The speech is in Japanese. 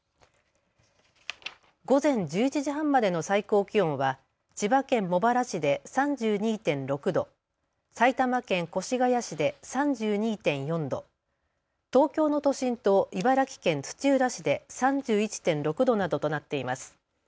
午前１１時半までの最高気温は千葉県茂原市で３２．６度、埼玉県越谷市で３２．４度、東京の都心と茨城県土浦市で３１．６度などとなっています。